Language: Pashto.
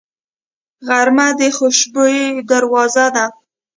غرمه د خوشبویو دروازه ده